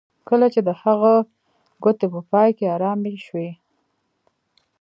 کله چې د هغه ګوتې په پای کې ارامې شوې